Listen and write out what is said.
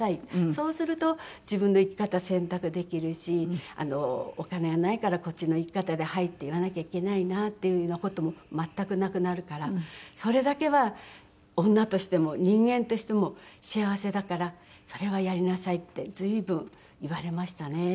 そうすると自分の生き方選択できるしお金がないからこっちの生き方ではいって言わなきゃいけないなっていうような事も全くなくなるからそれだけは女としても人間としても幸せだからそれはやりなさいって随分言われましたね。